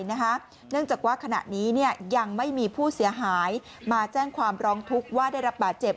เนื่องจากว่าขณะนี้ยังไม่มีผู้เสียหายมาแจ้งความร้องทุกข์ว่าได้รับบาดเจ็บ